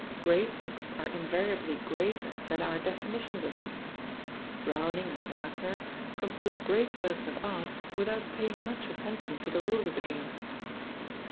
Great books are invariably greater than our definitions of them. Browning and Wagner composed great works of Art without paying much attention to the rules of the game.